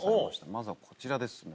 まずはこちらですね。